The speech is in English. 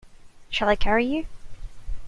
Shall I carry you.